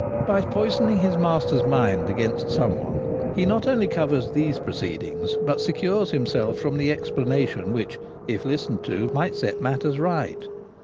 By poisoning his master's mind against some one he not only covers these proceedings but secures him self from the explanation which if listened to might set matters right.